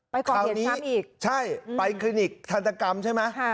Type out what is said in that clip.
ไปก่อนเห็นซ้ำอีกใช่ไปคลินิกทันตรกรรมใช่ไหมค่ะ